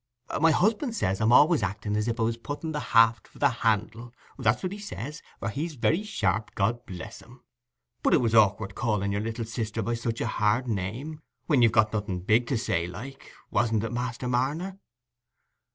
My husband says I'm allays like as if I was putting the haft for the handle—that's what he says—for he's very sharp, God help him. But it was awk'ard calling your little sister by such a hard name, when you'd got nothing big to say, like—wasn't it, Master Marner?"